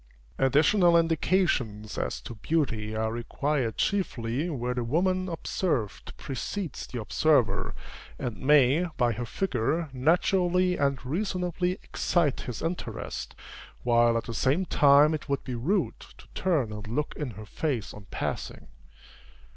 Additional indications as to beauty are required chiefly where the woman observed precedes the observer, and may, by her figure, naturally and reasonably excite his interest, while at the same time it would be rude to turn and look in her face on passing.